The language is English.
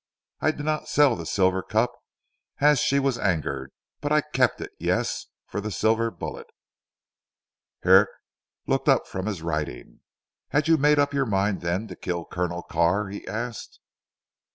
I did not sell the silver cup as she was angered, but I kept it, yes, for the silver bullet " Herrick looked up from his writing. "Had you made up your mind then to kill Colonel Carr?" he asked.